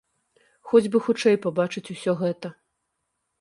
Хоць бы хутчэй пабачыць усё гэта!